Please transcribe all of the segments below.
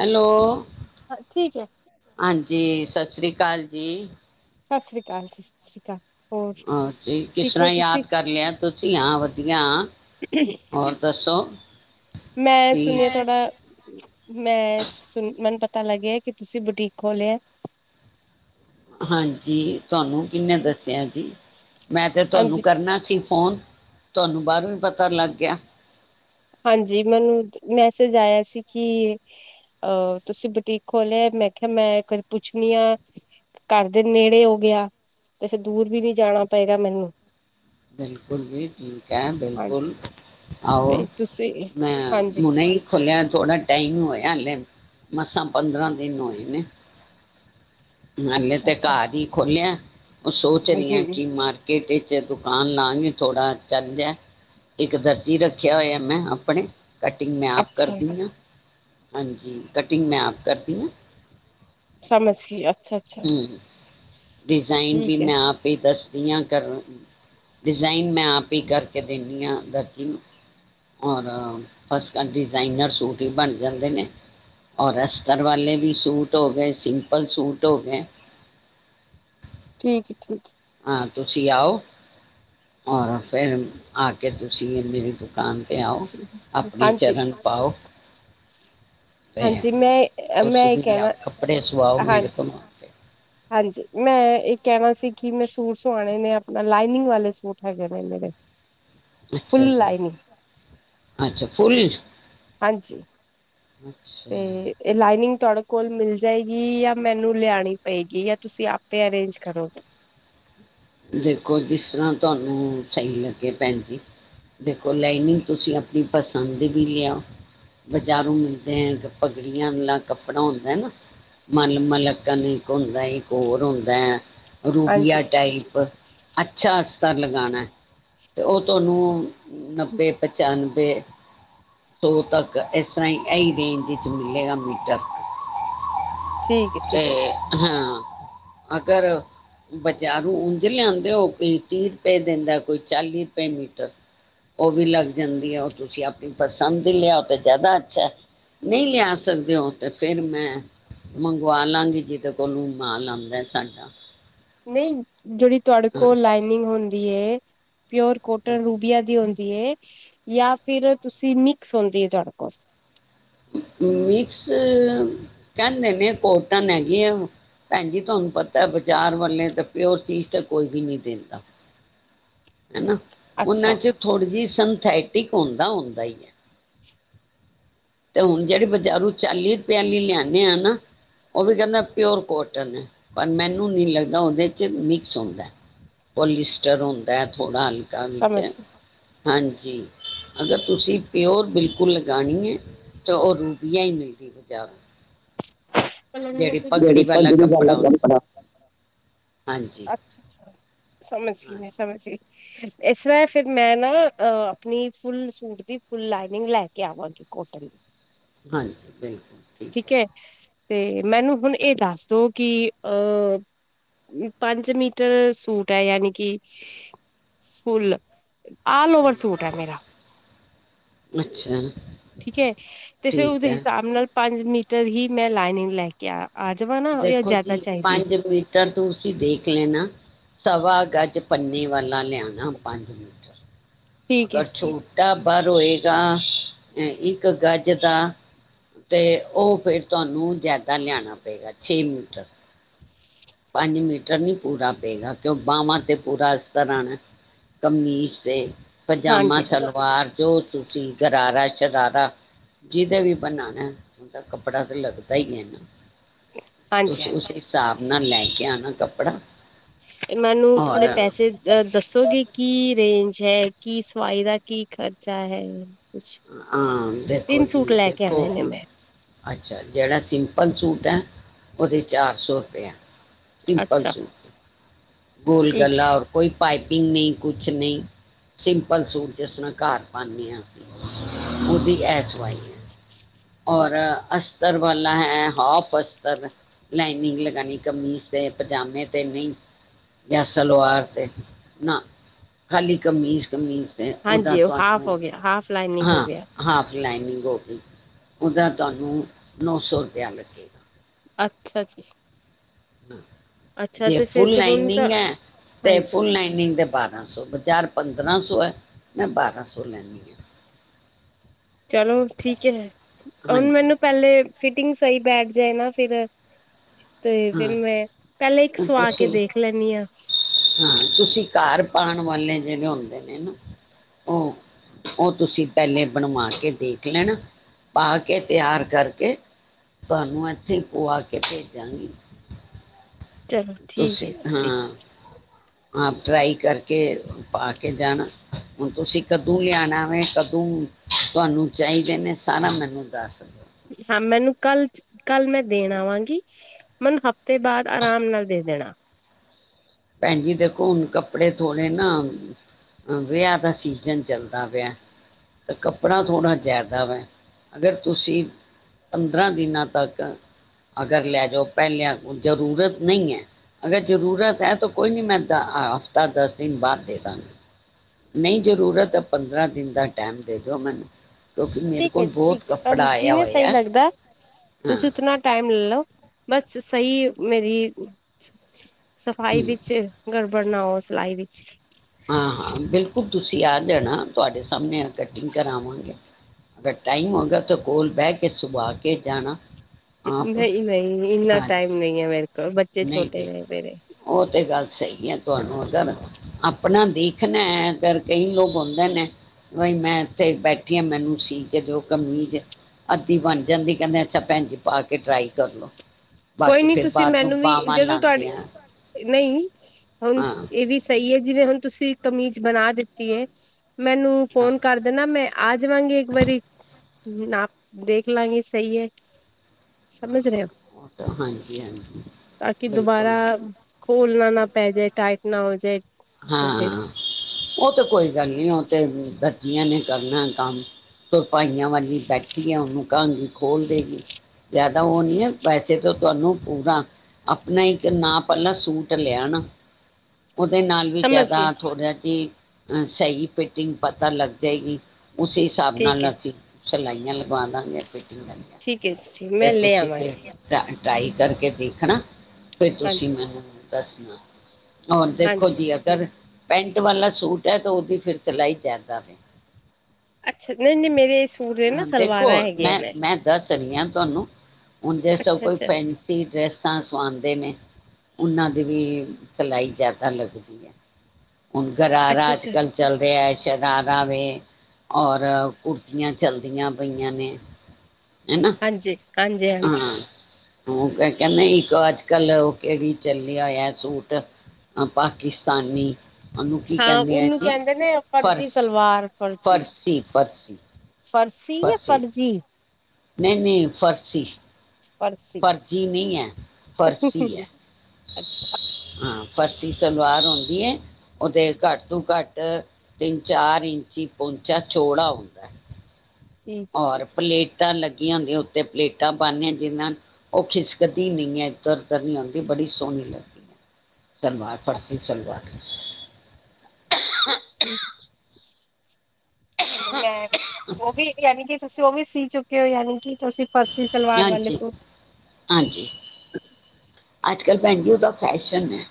Hello ਹਾਂ ਠੀਕ ਹੈ ਹਾਂਜੀ ਸਤਿ ਸ਼੍ਰੀ ਅਕਾਲ ਜੀ ਸਤਿ ਸ਼੍ਰੀ ਅਕਾਲ- ਸਤਿ ਸ਼੍ਰੀ ਅਕਾਲ ਹੋਰ ਅਜ ਕਿਸ ਠੀਕ ਹੋ ਤਰ੍ਹਾਂਹ ਤੁਸੀਂ ਯਾਦ ਕਰ ਲਿਆ ਤੁਸੀਂ, ਹਾਂ ਵਧੀਆ ਹੋਰ ਦੱਸੋਂ ਮੈਂ ਸੁਣਿਆ ਤੁਹਾਡਾ ਮੈਂ ਸੁਣ ਮੈਨੂੰ ਪਤਾ ਲੱਗਿਆ ਕਿ ਤੁਸੀਂ ਬੁਟੀਕ ਖੋਲਿਆ ਹਾਂਜੀ ਤੁਹਾਨੂੰ ਕਿੰਨੇ ਦੱਸਿਆ ਜੀ। ਮੈਂ ਤੇ ਤੁਹਾਨੂੰ ਹਾਂਜੀ ਕਰਨਾ ਸੀ ਫੋਨ, ਤੁਹਾਨੂੰ ਬਾਹਰੋਂ ਵੀ ਪਤਾ ਲੱਗ ਗਿਆ। ਹਾਂਜੀ ਮੈਨੂੰ ਮੈਸੇਜ ਆਇਆ ਸੀ ਕਿ ਅਹ ਤੁਸੀਂ ਬੁਟੀਕ ਖੋਲਿਆ ਮੈਂ ਖਿਆ ਮੈਂ ਇਕ ਵਾਰੀ ਪੁੱਛਣੀ ਆ। ਘਰ ਦੇ ਨੇੜੇ ਹੋ ਗਿਆ, ਤੇ ਫੇ ਦੂਰ ਵੀ ਨੀ ਜਾਣਾ ਪਏਗਾ ਮੈਨੂੰ। ਬਿਲਕੁਲ ਜੀ ਠੀਕ ਹੈ ਹਾਂਜੀ ਬਿਲਕੁਲ ਆਓ, ਤੇ ਤੁਸੀਂ ਮੈਂ ਹਾਂਜੀ ਹੁਣੇ ਈ ਖੌਲਿਆ ਥੋੜਾ ਟਾਈਮ ਹੋਇਆ ਹਾਲੇ, ਮਸਾਂ ਪੰਦਰਾਂ ਦਿਨ ਹੋਏ ਨੇ। [inaudible] ਹਲੇੇ ਅੱਛਾ ਤੇ ਅੱਛਾ ਘਰ ਈ ਖੋਲਿਆ ਉ ਸੋਚ ਰਹੀ ਹਾ ਹਮ ਕਿ ਮਾਰਕੀਟ ਵਿੱਚ ਦੁ ਦਕਾਨ ਲਾਂਗੀ ਥੋੜਾ ਚੱਲ ਜੇ ਇੱਕ ਦਰਜੀ ਰੱਖਿਆ ਹੋਇਆ ਮੈਂ ਆਪਣੇ ਕਟਿੰਗ ਮੈਂ ਆਪ ਅੱਛਾ ਕਰਦੀ ਹਾਂ, ਹਾਂਜੀ ਕਟਿੰਗ ਮੈਂ ਆਪ ਕਰਦੀ ਆ। ਸਮਝ ਗਈ। ਅੱਛਾ ਅੱਛਾ ਹੂੰ ਡਿਜ਼ਾਇਨ ਠੀਕ ਵੀ ਹੈ ਮੈਂ ਆਪ ਹੀ ਦੱਸਦੀ ਆ ਕਰ, ਡਿਜ਼ਾਇਨ ਮੈਂ ਆਪ ਹੀ ਕਰਕੇ ਦਿੰਦੀ ਹਾਂ ਦਰਜੀ ਨੂੰ। ਔਰ ਫਸ ਕ ਡਿਜ਼ਾਇਨਰ ਸੂਟ ਵੀ ਬਣ ਜਾਂਦੇ ਨੇ। ਔਰ ਅਸਤਰ ਵਾਲੇ ਵੀ ਸੂਟ ਹੋ ਗਏ, ਸਿੰਪਲ ਸੂਟ ਹੋ ਗਏ। ਠੀਕ ਐ- ਠੀਕ ਐ। ਹਾਂ ਤੁਸੀਂ ਆਓ, ਔਰ ਫੇਰ ਆ ਕੇ ਤੁਸੀਂ ਮੇਰੇ ਕੋ- ਦੁਕਾਨ ਤੇ ਆਉ, ਹੈ। ਆਪਣੇ ਹਾਂਜੀ ਚਰਨ ਪਾਓ ਅਤੇ ਹਾਂਜੀ ਮੈਂ, ਮੈਂ ਤੁਸੀਂ ਏ ਵੀ ਲਿਆਓ ਕੇਣਾ- ਕੱਪੜੇ ਸਵਾਓ ਮੇਰੇ ਹਾਂਜੀ। ਕੋਲੋਂ ਆ ਕੇ ਹਾਂਜੀ, ਮੈਂ ਏ ਕੇਣਾ ਸੀ ਕਿ ਮੈਂ ਸੂਟ ਸੁਵਾਣੇ ਨੇ ਆਪਣਾ, ਲਾਈਨਿੰਗ ਵਾਲੇ ਸੂਟ ਹੈਗੇ ਨੇ ਮੇਰੇ [unintelligible] ਅੱਛਾ ਜੀ, ਲਾਈਨਿੰਗ ਅੱਛਾ ਫੁੱਲੀਸ਼, ਹਾਂਜੀ ਹੁ ਤੇ ਏ ਲਾਈਨਿੰਗ ਤੋਹਾਡੇ ਕੋਲ ਮਿਲ ਜਏਗੀ? ਯਾ ਮੈਨੂੰ ਲਿਆਣੀ ਪਏਗੀ? ਯ ਤੁਸੀਂ ਆਪੇ ਅਰੇਂਜ ਕਰੋਂਗੇ? ਦੇਖੋ, ਜਿਸ ਤਰਾਂ ਤੁਹਾਨੂੰ ਸਹੀ ਲੱਗੇ ਭੈਣ ਜੀ। ਦੇਖੋ, ਲਾਈਨਿੰਗ ਤੁਸੀਂ ਪਣੀ ਪਸੰਦ ਦੀ ਵੀ ਲੇ ਆਓ। ਬਜ਼ਾਰੂ ਮਿਲਦੇ ਐ, ਪਗੜੀਆਂ ਵਾਲਾ ਕੱਪੜਾ ਹੁੰਦਾ ਹੈ ਨਾ। ਮਲ, ਮਲ ਅਖਣ ਇਕ ਹੁੰਦਾ ਏ, ਇੱਕ ਹੋਰ ਹੁੰਦਾ ਐ। ਹਾਂਜੀ ਰੂਬੀਆ ਟਾਈਪ, ਅੱਛਾ ਅਸਤਰ ਲਗਾਣਾ ਤੇ ਓ ਤੁਆਨੂੰ ਨੱਬੇ, ਪਚਾਨਵੇਂ ਸੌ ਤੱਕ, ਏਸ ਤਰਾਂ ਹੀ ਏਹੀ ਰੇਂਜ ਇੱਚ ਮਿਲੇਗਾ ਮੀਟਰ। ਠੀਕ ਹੈ ਠੀਕ ਹੈ ਤੇ, ਹਾਂ ਅਗਰ ਬਜ਼ਾਰੂ ਉਂਝ ਲਆਂਦੇ ਹੋ ਕੋਈ ਤੀ ਰਪਏ ਦੇੱਦਾ, ਕੋਈ ਚਾਲੀ ਰਪਏ ਮੀਟਰ। ਓ ਵੀ ਲੱਗ ਜਾਂਦੀ ਐ, ਓ ਤੁਸੀਂ ਆਪ ਪਸੰਦ ਦੀ ਲਆਓ ਤੇ ਜਾਦਾ ਅੱਛਾ, ਨਈ ਲਿਆ ਸਕਦੇ ਹੋ, ਤੇ ਫੇਰ ਮੈਂ ਮੰਗਵਾ ਲਾਂਗੀ, ਜਿਦੇ ਕੋਲੂ ਮਾਲ ਆੱਦਾ ਏ ਸਾਡਾ। ਨਈ, ਜਿਹੜੀ ਤੁਹਾਡੇ ਕੋਲ ਹਾਂ ਲਾਈਨਿੰਗ ਹੁੰਦੀ ਐ, ਪਿਊਰ ਕਾਟਨ ਰੂਬੀਆ ਦੀ ਹੁੰਦ- ਦੀ ਏ ਜਾਂ ਫੇਰ ਤੁਸੀ ਮਿਕਸ ਹੁੰਦੀ ਐ ਤੁਹਾਡੇ ਕੋਲ? ਮਿਕਸ ਕਹਿੰਨੇ ਨੇ ਕੋਟਨ ਹੈਗੀ ਐਂ। ਭੈਣ ਜੀ, ਤੁਹਾਨੂੰ ਪਤਾ ਐ, ਬਾਜ਼ਾਰ ਵਾਲੇ ਤੇ ਪਿਓਰ ਚੀਜ਼ ਤਾਂ ਕੋਈ ਵੀ ਨੀ ਦਿੰਦਾ। ਚਲੋ ਉਹਨਾਂ ਅੱਛਾ ਵਿੱਚ ਥੋੜੀ ਜੀ ਸੰਥੈਟਿਕ ਹੁੰਦਾ- ਹੁੰਦਾ ਈ ਐ। ਤੇ ਹੁਣ ਜਿਹੜੇ ਬਜ਼ਾਰੂ ਚਾਲੀ ਰੁਪਇ ਆਲੀ ਲਿਆਦੇ ਆ ਨਾ। ਉਹ ਵੀ ਕਹਿੰਦਾ ਪਿਓਰ ਕੋਟਨ ਐ, ਪਰ ਮੈਨੂੰ ਨਹੀਂ ਲੱਗਦਾ ਉਹਦੇ 'ਚ ਮਿਕਸ ਹੁੰਦਾ ਐ। ਪੋਲੀਿਸਟਰ ਹੁੰਦਾ ਹੈ ਥੋੜਾ ਹਲਕਾ ਵਿੱਚ। ਸਮਝ ਗਈ। ਹਾਂਜੀ, ਅਗਰ ਤੁਸੀ ਪਿਓਰ ਬਿਲਕੁਲ ਲਗਾਣੀ ਐ। ਤੇ ਓ ਰੂਬੀਆਂ ਈ ਮਿਲਦੀ ਬਜਾਰੋ। ਜੇੜੀ ਪਗੜੀ ਵਾਲਾ ਕੱਪੜਾ ਹੋਂਦਾ ਹਾਂਜੀ ਅੱਛਾ, ਅੱਛਾ ਸਮਜ ਗੀ ਹਾਂ ਮੈ ਸਮਜ ਗੀ ਇਸਰ੍ਹਾਂ ਫੇਰ ਮੈਂ ਨਾ ਅ ਆਪਨੀ ਫੁੱਲ ਸੁ ਟ ਦੀ ਫੁੱਲ ਲਾਈਨਿੰਗ ਲੈ ਕੇ ਆਵਾਂਗੀ ਕੋਟਨ ਹਾਂਜੀ, ਬਿਲਕੁਲ। ਠੀਕ ਐ ਤੇ ਮੈਨੂੰ ਹੁਨ ਏ ਦੱਸ ਦੋ ਕਿ ਅ ਪੰਜ ਮੀਟਰ ਸੂਟ ਐ ਯਾਨੀ ਕਿ ਫੁੱਲ। ਆਲ ਓਵਰ ਸੂਟ ਹੈ ਮੇਰਾ ਅੱਛਾ ਠੀਕ ਐ ਤੇ ਫੇਰ ਠੀਕ ਉਦੇ ਹੈ ਹਿਸਾਬ ਨਾਲ ਪੰਜ ਮੀਟਰ ਹੀ ਮੈਂ ਲਾਈਨਿੰਗ ਲੈ ਕੇ ਆ ਜਾਵਾ ਨਾ ਯਾ ਜਆਦਾ ਚਾਈਦੀ ਏ। ਤਾ ਤੁਸੀ ਦੇਖ ਲੇਨਾ ਸਵਾ ਗਜ ਪੰਨੇ ਵਾਲਾ ਲਿਆਣਾ ਪੰਜ ਮੀ ਠੀਕ ਅਗਰ ਹੈ ਛੋਟਾ ਬਰ ਹੋਏਗਾ ਅ ਇੱਕ ਗਜ ਦਾ ਤੇ ਓ ਫੇਰ ਤੁਆਨੂੰ ਜਿਆਦਾ ਲਿਆਣਾ ਪਏਗਾ ਛੇ ਮੀਟਰ। ਪੰਜ ਮੀਟਰ ਨੀ ਪੂਰਾ ਪਏਗਾ ਕਿਉਂ ਬਾਹਵਾਂ ਤੇ ਪੂਰਾ ਅਸਤਰ ਆਣੈ। ਕਮੀਜ ਤੇ ਪਜਾਮਾ, ਹਾਂਜੀ-ਹਾਂਜੀ, ਸਲਵਾਰ ਜੋ ਤੁਸੀ ਗਰਾਰਾ, ਸ਼ਰਾਰਾ ਜਿਦੇ ਵੀ ਬਣਾਣੈ ਔਦਾ ਕੱਪੜਾ ਤੇ ਲੱਗਦਾ ਈ ਏਨਾ ਤੁਸੀ ਹਾਂਜੀ-ਹਾਂਜੀ। ਉਸ ਹਿਸਾਬ ਨਾਲ ਲੈ ਕੇ ਆਨਾ ਕੱਪੜਾ। ਮੈਨੂੰ ਔਰ ਥੋੜੇ ਪੈਸੇ ਅ ਦੱਸੋਗੇ ਕੀ ਰੇਂਜ ਹੈ ਕੀ ਸਵਾਈ ਦਾ ਕੀ ਖਰਚਾ ਹੈ? ਕੁਛ ਹਾਂ, ਦੇਖੋ ਤਿੰਨ ਸੂਟ ਜੀ ਲੈ ਕੇ ਦੇਖੋ ਆਣੇ ਨੇ ਮੈਂ ਅੱਛਾ ਜੇੜਾ ਸਿੰਪਲ ਸੂਟ ਐ ਓਦੇ ਚਾਰ ਸੌ ਰੁਪਏ। ਸਿੰਪਲ ਅੱਛਾ ਸੂਟ ਗੋਲ ਠੀਕ ਗਲਾ ਹੈ ਔਰ ਕੋਈ ਪਾਈਪਿੰਗ ਨਈ ਕੁਛ ਨਈ। ਸਿੰਪਲ ਸੂਟ ਜਿਸ ਤਰਾ ਘਰ ਪਾਨੇ ਆ ਅਸੀ। ਓਦੀ ਐ ਸਵਾਈ ਐ ਔਰ ਠੀਕ ਹੈ ਅ ਅਸਤਰ ਵਾਲਾ ਹੈ ਹਾਫ ਅਸਤਰ ਲਾਈਨਿੰਗ ਲਗਾਨੀ ਕਮੀਜ ਤੇ ਪਜਾਮੇ ਤੇ ਨਈ। ਜਾਂ ਸਲਵਾਰ ਤੇ ਨਾ ਖਾਲੀ ਕਮੀਜ ਕਮੀਜ ਤੇ ਓਦਾ ਹਾਂਜੀ ਉਹ ਹਾਫ ਹੋ ਤੁਆਨੂੰ ਗਿਆ ਹਾਫ ਲਾਈਨਿੰਗ ਹੋ ਹਾਂ ਗਿਆ ਹਾ ਲਾਈਨਿੰਗ ਹੋ ਗੀ ਉਦਾ ਤੁਆਨੂੰ ਨੌ ਸੌ ਰੁਪਇਆ ਲੱਗੇਗਾ। ਅੱਛਾ ਜੀ। ਹਾ, ਅੱਛਾ ਜੇ ਤੇ ਫਿਰ ਫੁੱਲ ਹੁਣ ਤਾਂ ਲਾਈਨਿੰਗ ਐ, ਤੇ ਹਾਂਜੀ ਫੁੱਲ ਲਾਈਨਿੰਗ ਦੇ ਬਾ ਰਾਂ ਸੋ, ਬਾਜਾਰ ਪੰਦਰਾਂ ਸੌ ਐ, ਮੈਂ ਬਾਰਾ ਸੌ ਲੈਨੀ ਆ। ਚਲੋ ਠੀਕ ਐ, ਹੁਨ ਹਾਂਜੀ ਮੈਨੂੰ ਪੈਲੇ ਫਿਟਿੰਗ ਸਈ ਬੈਠ ਜਾਏ ਨਾ ਫਿਰ ਤੇ ਫਿਰ ਹਾਂ ਮੈ, ਪੈਲੇ ਇੱਕ ਸੁਆ ਕੇ ਤੁਸੀਂ ਦੇਖ ਲੈਨੀ ਆਂ। ਹਾਂ, ਤੁਸੀ ਘਰ ਪਾਣ ਵਾਲੇ ਜਿਂਵੇ ਹੁੰਦੇ ਨੇ ਨਾ। ਓ ਓ ਤੁਸੀ ਪੈਲੇ ਬਣਵਾ ਕੇ ਦੇਖ ਲੈਣਾ। ਪਾ ਕੇ ਤਿਆਰ ਕਰਕੇ, ਤੁਆਨੂੰ ਇੱਥੇ ਈ ਪੁਆ ਕੇ ਭੇਜਾਂਗੀ। ਚਲੋ ਠੀਕ ਤੁਸੀਂ ਐ ਜੀ ਠੀਕ। ਹਾਂ ਆਪ ਟਰਾਈ ਕਰਕੇ ਪਾ ਕੇ ਜਾਣਾ। ਹੁਣ ਤੁਸੀ ਕਦੁ ਲਿਆਣਾ ਵੇ, ਕਦੁ ਤੁਆਨੂੰ ਚਾਈਦੇ ਨੇ ਸਾਰਾ ਮੈਨੂੰ ਦੱਸ ਦੇਓ। ਹਾਂ, ਮੈਨੂੰ ਕੱਲ ਕੱਲ ਮੈ ਦੇਣ ਆਵਾਂਗੀ ਮੇਨ ਹਫ਼ਤੇ ਬਾਅਦ ਆਰਾਮ ਨਾਲ ਦੇ ਦੇਣਾ। ਭੈਣਜੀ ਦੇਖੋ ਹੁਨ ਕੱਪੜੇ ਥੋੜੇ ਨਾ ਵਿਆਆਂ ਦਾ ਸੀਜ਼ਨ ਚੱਲਦਾ ਪੇਆ, ਤੇ ਕੱਪੜਾ ਅੱਛਾ ਥੋੜਾ ਜ਼ਿਆਦਾ ਵਾ। ਅਗਰ ਤੁਸੀਂ ਪੰਦਰਾਂ ਦਿਨਾਂ ਤੱਕ ਅਗਰ ਲੈ ਜਾਓ ਪੈਲਿਆਂ ਜ਼ਰੂਰਤ ਨਈ ਐ, ਅਗਰ ਜ਼ਰੂਰਤ ਐ ਤੋਂ ਕੋਈ ਨੀ ਮੈਂ ਹਫ਼ਤਾ ਦਸ ਦਿਨ ਬਾਦ ਦੇ ਦਾਂਗੀ। ਨਈ ਜ਼ਰੂਰਤ ਤੇ ਪੰਦਰਾਂ ਦਿਨ ਦਾ ਟੈਮ ਦੇ ਦਓ ਮੈਨੂੰ। ਕਿਉਂਕਿ ਮੇਰੇ ਠੀਕ ਐ ਕੋਲ ਜੀ ਬਹੁਤ ਠੀਕ ਐ, ਤਾਨੂੰ ਕੱਪੜਾ ਆਇਆ ਜਿਵੇਂ ਸਈ ਹੋਇਆ ਲੱਗਦਾ, ਹਾਂ ਤੁਸੀਂ ਉਤਨਾ ਟਾਈਮ ਲੈ ਲੋ। ਬਸ ਸਈ ਮੇਰੀ, ਸਫ਼ਾਈ ਹੂੰ, ਵਿੱਚ ਗੜਬੜ ਨਾ ਓ ਸਲਾਈ ਵਿੱਚ। ਹਾਂ-ਹਾਂ ਬਿਲਕੁਲ ਤੁਸੀਂ ਆ ਜਾਨਾ ਤੁਆਡੇ ਸਾਮਨੇ ਆ ਕਟਿੰਗ ਕਰਾਵਾਂਗੇ। ਅਗਰ ਟਾਈਮ ਹੋਗਾ ਤਾਂ ਕੋਲ ਬੈ ਕੇ ਸੁਬਾ ਕੇ ਜਾਨਾ। ਨਈ-ਨਈ ਇੰਨਾ ਟਾਈਮ ਨਈ ਐ ਮੇਰੇ ਕੋਲ ਬੱਚੇ ਛੋਟੇ ਨੇ ਮੇਰੇ। ਓ ਤੇ ਗੱਲ ਸਈ ਐ ਤੁਆਨੂੰ ਅਗਰ ਆਪ ਅਪਨਾ ਦੇਖਨਾ ਅਗਰ ਕਈ ਲੋਕ ਔਂਦੇ ਨੇ। ਬਈ ਮੈਂ ਏਥੇ ਬੈਠੀ ਆਂ ਮੈਨੂੰ ਸੀਅ ਕੇ ਦਿਓ ਕਮੀਜ਼। ਅੱਦੀ ਬਨ ਜਾਂਦੀ ਕੈਂਦੇ ਅੱਛਾ ਭੈਨ ਜੀ ਪਾ ਕੇ ਟਰਾਈ ਕਰਲੋ। ਕੋਈ ਨੀ ਤੁਸੀਂ ਮੈਨੂੰ ਵੀ ਜਦੋਂ ਲਾਉਂਦੇ ਤੁਆਡੀ ਆ ਨਈਂ ਹੁਨ ਹਾਂ ਏ ਵੀ ਸਈ ਐ ਜਿਵੇਂ ਹੁਨ ਤੁਸੀਂ ਕਮੀਜ਼ ਬਨਾ ਦਿੱਤੀ ਏ, ਮੈਨੂੰ ਹਾਂ ਫੋਨ ਕਰ ਦੇਨਾ ਮੈਂ ਆ ਜਾਵਾਂਗੀ ਇੱਕ ਵਾਰੀ, ਨਾਪ ਦੇਖਲਾਂਗੇ ਸਈ ਐ। ਸਮਜ ਹਾਂ ਰਏ ਓਂ, ਉਹ ਤਾਂ ਹਾਂਜੀ ਹਾਂਜੀ ਤਾਂ ਕੀ ਦੁਬਾਰਾ ਬਿਲਕੁਲ ਖੋਲਨਾ ਨਾ ਪੈ ਜੇ, ਟਾਈਟ ਨਾ ਹੋਜੇ। ਹੂੰ, ਓ ਤੇ ਕੋਈ ਗੱਲ ਨੀ ਓ ਤੇ ਦਰਜੀਆਂ ਨੇ ਕਰਨਾ ਕੰਮ। ਤੁਰਪਾਈਆਂ ਵਾਲੀ ਬੈਠੀ ਆ ਓਨੂੰ ਕਆਂਗੀ ਖੋਲ ਦੇਗੀ। ਜ਼ਿਆਦਾ ਓ ਨੀ ਐ ਵੈਸੇ ਤਾਂ ਤੁਆਨੂੰ ਪੂਰਾ ਆਪਨੇ ਇੱਕ ਨਾਪ ਆਲਾ ਸੂਟ ਲੇਆਨਾ। ਦੇ ਨਾਲ ਵੀ ਸਮਝ ਜਾਦਾ ਗਈ ਥੋੜਾ ਜੀ ਅ ਸਈ ਫਿਟਿੰਗ ਪਤਾ ਲੱਗ ਜਾਏਗੀ। ਉਸੇ ਹਿਸਾਬ ਠੀਕ ਹੈ ਨਾਲ ਅਸੀਂ ਸਿਲਾਈਆਂ ਲਗਾਦਾਂਗੇ ਫਿਟਿੰਗ ਆਲੀਆਂ। ਠੀਕ ਐ ਜੀ ਠੀਕ ਐ, ਮੈਂ ਲੇ ਆਵਾਂਗੀ। ਟਾ ਟਾਈ ਕਰਕੇ ਦੇਖਨਾ, ਫਿਰ ਤੁਸੀਂ ਹਾਂਜੀ ਮੈਨੂੰ ਦੱਸਨਾ। ਹੁਨ ਦੇਖੋ ਹਾਂਜੀ ਜੀ ਅਗਰ ਪੈਂਟ ਵਾਲਾ ਸੂਟ ਐ ਤਾਂ ਓਦੀ ਫਿਰ ਸਿਲਾਈ ਜਾਦਾ ਵੇ। ਅੱਛਾ ਨਈਂ-ਨਈਂ ਮੇਰੇ ਸੂਟ ਨੇ ਨਾਂ ਸਲਵਾਰਾਂ ਹੈਗੀਆਂ ਨੇ। ਦੱਸ ਰਈ ਆ ਤੁਆਨੂੰ, ਹੁਨ ਜੇ ਸਬ ਅੱਛਾ ਕੋਈ ਅੱਛਾ ਫੈਂਸੀ ਡਰੈਸਾਂ ਸਵਾਂਦੇ ਨੇ। ਓਨਾਂ ਦੀ ਵੀ ਸਲਾਈ ਜਾਦਾ ਲੱਗਦੀ ਐ, ਹੁਨ ਅੱਛਾ ਗਰਾਰਾ ਅੱਛਾ ਅੱਜ-ਕੱਲ ਚੱਲ ਰੇਆ ਸ਼ਰਾਰਾ ਵੇ, ਔਰ ਕੁੁਰਤੀਆਂ ਚਲਦੀਆਂ ਪਈਆਂ ਨੇ। ਏਨਾਂ ਹੰਜੇ ਹੂੰ, ਓ ਕੈਂਦੇ ਇੱਕ ਅੱਜ-ਕੱਲ ਓ ਕੈਂਦੀ ਚੱਲੇਆ ਹੋਏਆ ਸੂਟ ਆ ਪਾਕਿਸਤਾਨੀ। ਉਹਨੂੰ ਕੀ ਹਾਂ ਕਹਿੰਦੇ ਆ ਓਨੂੰ ਜੀ ਕੈਂਦੇ ਨੇ ਫਰਜੀ ਫਰਸ ਸਲਵਾਰ ਫਰਜੀ। ਫਰਸੀ ਫਰਸੀ ਫਰਸ਼ੀ ਜਾਂ ਫਰਜੀ ਨਈਂ-ਨਈਂ ਫਰਸ਼ੀ। ਫਰਸੀ ਹੂੰ-ਹੂੰ ਅੱਛਾ। ਹੂੰ ਫਰਸ਼ੀ ਸਲਵਾਰ ਹੁੰਦੀ ਐ। ਓਦੇ ਘੱਟ ਤੋਂ ਘੱਟ ਤਿੰਨ ਚਾਰ ਇੰਚੀ ਪੋਂਚਾ ਚੌੜਾ ਹੁੰਦਾ। ਠੀਕ ਹੈ ਔਰ ਠੀਕ ਹੈ ਪਲੇਟਾਂ ਲੱਗੀਆਂ ਹੁੰਦੀਆਂ ਉੱਤੇ ਪਲੇਟਾਂ ਪਾਂਨੇ ਆਂ ਜਿਨਾਂ ਓ ਖਿਸਕਦੀ ਨਈਂ ਐ ਐਦਰ ਕਦੀ ਓਦਰ ਬੜੀ ਸੋਨੀ ਲੱਗਦੀ। ਹੈ [inaudible] ਸਲਵਾਰ ਫਰਸੀ ਅੱਛਾ ਸਲਵਾਰ। ਸੂਟ ਐ ਵੀ ਮੈਂ ਓ ਵੀ ਯਾਨੀ ਕੇ ਤੁਸੀਂ ਓ ਵੀ ਸੀ ਚੁੱਕੇ ਓ, ਯਾਨੀ ਕਿ ਤੁਸੀਂ ਫਰਸੀ? ਸਲਵਾਰ ਵਾਲੇ ਹਾਂਜੀ, ਸੂਟ ਹਾਂਜੀ। ਅੱਜ- ਕੱਲ੍ਹ ਭੈਨ ਜੀ ਉਹਦਾ ਫੈਸ਼ਨ ਐ,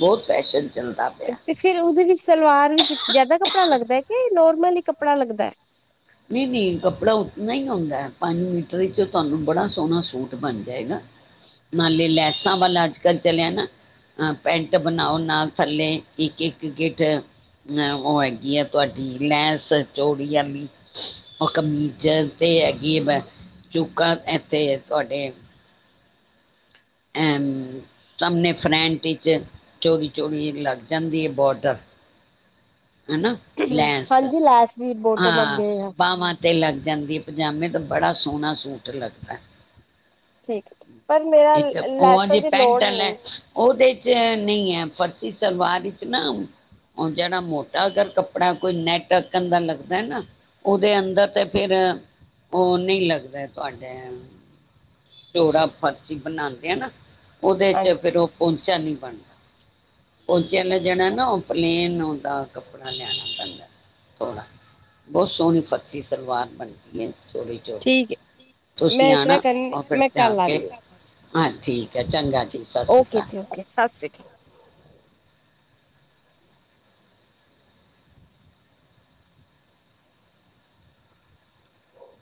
ਬੋਤ ਫੈਸ਼ਨ ਚੱਲਦਾ। ਪਿਆ 'ਤੇ ਫੇਰ ਉਹਦੇ ਵਿੱਚ ਸਲਵਾਰ ਵਿੱਚ ਜਾਦਾ ਕੱਪੜਾ ਲੱਗਦੈ ਕੇ ਨੋਰਮਲ ਈ ਕੱਪੜਾ ਲੱਗਦੈ? ਨਈਂ -ਨਈਂ, ਕੱਪੜਾ ਉਤਨਾ ਈ ਆਂਉਦੈ, ਪੰਜ ਮੀਟਰ ਵਿੱਚੋਂ ਤੁਹਾਨੂੰ ਬੜਾ ਸੋਂਣਾ ਸੂਟ ਬਨ ਜਾਏ ਨਾ। ਨਾਲੇ ਲੈਸਾਂ ਵਾਲਾ ਅੱਜ-ਕੱਲ੍ਹ ਚਲਿਐ ਨਾ। ਆਹ, ਪੈਂਟ ਬਨਾਓ ਨਾਲ ਥੱਲੇ ਇੱਕ-ਇੱਕ ਗਿੱਠ। ਨਾ, ਉਹ ਹੈਗੀ ਆ ਤੁਹਾਡੀ ਲੈਂਸ ਚੋੜੀ ਆਲੀ। ਉਹ ਕਮੀਜ਼ਰ ਤੇ ਹੈਗੀ ਏ‌, ਮੈਂ ਚੂੱਕਾਂ ਐੱਥੇ ਤੁਹਾਡੇ? ਐਮ, ਸਾਮਨੇ ਫਰੈਂਟ ਵਿੱਚ ਚੋੜੀ-ਚੋੜੀ ਲੱਗ ਜਾਂਦੀ ਏ ਬੋਟ। ਹੈਨਾ, ਲੈਂਸ ਹਾਂਜੀ ਲੈਸ ਦੀ ਬੋਟਮ ਹਾਂ ਅੱਗੇ ਆ। ਬਾਹਵਾਂ? 'ਤੇ ਲੱਗ ਜਾਂਦੀ ਏ ਪਜਾਮੇ ਤੇ, ਬੜਾ ਸੋਣਾਂ ਸੂਟ ਲੱਗਦੈ। ਠੀਕ ਪਰ ਮੇਰਾ ਇਕ ਓਵੇਂ ਲੈਸਾਂ ਦੀ, ਪੈਂਟ ਲੋੜ ਆਲੈ। ਨਹੀਂ ਓਦੇ 'ਚ ਨਈ ਐ ਫਰਸੀ ਸਲਵਾਰ ਵਿੱਚ ਨਾ, ਉਹ ਜੇੜਾ ਮੋਟ। ਟਾ ਅਗਰ ਕੱਪੜਾ ਕੋਈ ਨੈਟ ਆਂਕਨ ਦਾ ਲੱਗਦੈ ਨਾ‌, ਓਦੇ ਅੰਦਰ ਤੇ ਫੇਰ ਓ ਨਈਂ ਲੱਗਦੈ ਤੁਹਾਡੇ ਚੋੜਾ ਫਰਸ਼ੀ ਬਨਾਂਦੇ ਆ ਨਾ, ਓਦੇ ਹਾਂਜੀ। 'ਚ ਫਿਰ ਉਹ ਪੌਂਚਾ ਨੀ ਬਣਦਾ। ਪੋਚਿਆ ਲਈ ਜੇੜਾ ਨਾ, ਉਹ ਪਲੇਨ ਆਉਂਦਾ। ਕੱਪੜਾ ਲਿਆਂਨਾ ਪੈਂਦਾ ਥੋੜ੍ਹਾ, ਬੋਤ ਸੋਂਣੀ ਫਰਸ਼ੀ ਸਲਵਾਰ ਬਨੰਦੀ। ਨਈ, ਚੋੜੀ ਠੀਕ ਹੈ -ਚੋੜੀ ਤੁਸੀਂ ਮੈਂ ਇਸ ਤਰ੍ਹਾਂ ਆਨਾ। ਕਰਨ ਮੈਂ ਭੜਤਾ ਕੱਲ ਕੇ, ਆਉਂਦੀ ਹਾਂ ਹਾਂ ਠੀਕ ਐ, ਚੰਗਾ ਜੀ ਸਸ੍ਰੀ ਕਾਲ। ਕੇ ਸਸ੍ਰੀ ਕਾਲ।